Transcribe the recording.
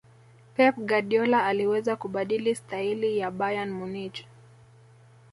pep guardiola aliweza kubadili staili ya bayern munich